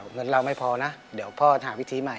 เงินเราไม่พอนะเดี๋ยวพ่อหาวิธีใหม่